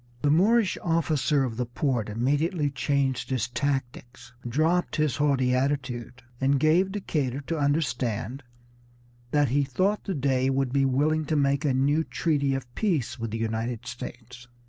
The Moorish officer of the port immediately changed his tactics, dropped his haughty attitude, and gave Decatur to understand that he thought the Dey would be willing to make a new treaty of peace with the United States.